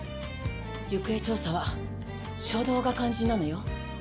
行方調査は初動が肝心なのよ。